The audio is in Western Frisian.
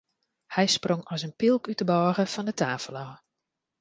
Hy sprong as in pylk út de bôge fan de tafel ôf.